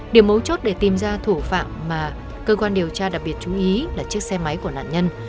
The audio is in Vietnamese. điểm mấu chốt để tìm ra thủ phạm mà cơ quan điều tra đặc biệt chú ý là chiếc xe máy của nạn nhân